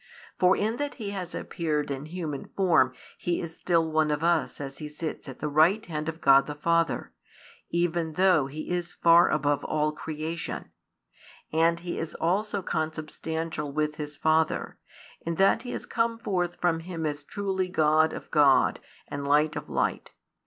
For in that He has appeared in human form He is still one of us as He sits at the right hand of God the Father, even though He is far above all creation; and He is also Consubstantial with His Father, in that He has come forth from Him as truly God of God and Light of Light.